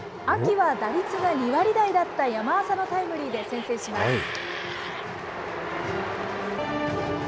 秋は打率が２割台だった山浅のタイムリーで先制します。